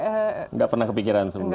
enggak pernah kepikiran sebelumnya